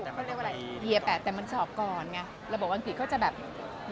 เขาเรียกว่าอะไรเฮียแปะแต่มันสอบก่อนไงระบบอังกฤษเขาจะแบบ